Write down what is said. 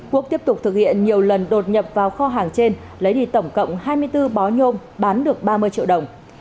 quốc tiếp tục thực hiện nhiều lần đột nhập vào kho hàng trên lấy đi tổng cộng hai mươi bốn bó nhôm bán được ba mươi triệu đồng